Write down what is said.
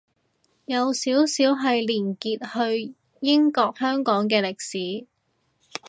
有少少係連結去英國香港嘅歷史